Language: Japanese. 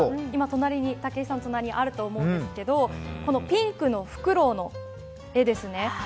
今、武井さんの隣にあると思うんですけどこのピンクのフクロウの絵ですね。